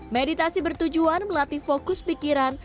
meditasi bertujuan melatih fokus pikiran